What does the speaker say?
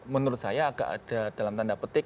menurut saya agak ada dalam tanda petik